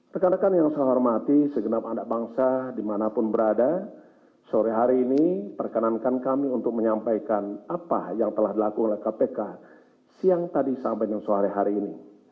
rekan rekan yang saya hormati segenap anak bangsa dimanapun berada sore hari ini perkenankan kami untuk menyampaikan apa yang telah dilakukan oleh kpk siang tadi sampai sore hari ini